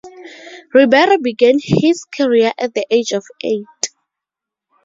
Ribeiro began his career at the age of eight.